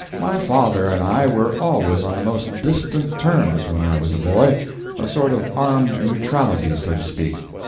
My father and I were always on the most distant terms when I was a boy a sort of armed neutrality so to speak.